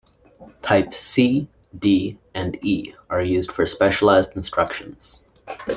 Types C, D and E are used for specialized instructions.